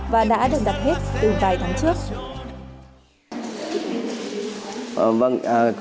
và đã được đặt hết từ vài tháng trước